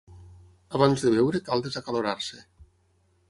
Abans de beure cal desacalorar-se.